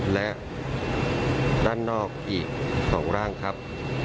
และด้านนอกอีก๒ร่างครับ